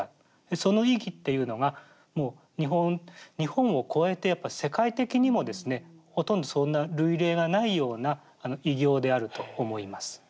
その域っていうのが日本を超えて世界的にもですねほとんどそんな類例がないような偉業であると思います。